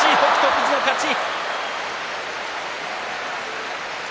富士の勝ち。